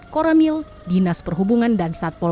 koramil dinas perhubungan dan satpol